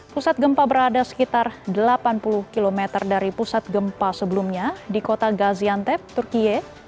pusat gempa berada sekitar delapan puluh km dari pusat gempa sebelumnya di kota gaziantep turkiye